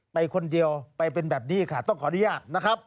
ไปคนเดียวไปเป็นแบบนี้ค่ะต้องขออนุญาตนะครับ